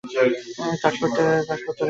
কম কাটখোট্টা লাগছে।